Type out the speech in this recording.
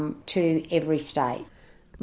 untuk datang ke setiap negara